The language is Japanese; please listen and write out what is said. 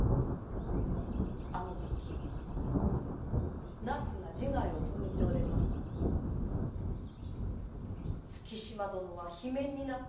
あのとき奈津が自害を遂げておれば月島殿は罷免になっておったのじゃ。